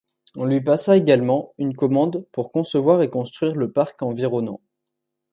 On lui passa également une commande pour concevoir et construire le parc environnant.